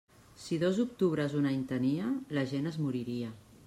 Si dos octubres un any tenia, la gent es moriria.